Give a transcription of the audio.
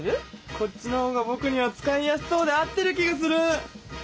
こっちのほうがぼくには使いやすそうで合ってる気がする！